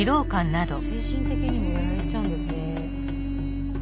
精神的にもやられちゃうんですね。